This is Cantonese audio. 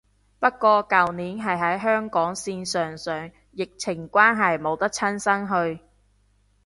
不過舊年係喺香港線上上，疫情關係冇得親身去